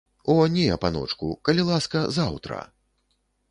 О не, паночку, калі ласка, заўтра!